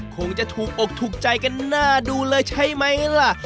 คงจะถูกอกถูกใจกันหน้าดูเลยใช่ไหมล่ะ